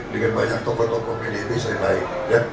dengan banyak tokoh tokoh pdmp saya baik